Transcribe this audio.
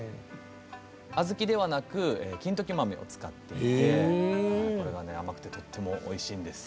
小豆ではなく金時豆を使っていてこれがね甘くてとってもおいしいんです。